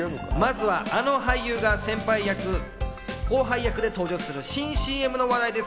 まずはあの俳優が先輩、後輩役で登場する新ＣＭの話題です。